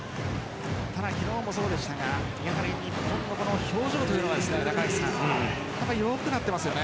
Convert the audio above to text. ただ、昨日もそうでしたが日本の表情というのが良くなっていますよね。